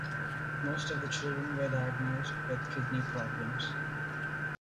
Most of the children were diagnosed with kidney problems.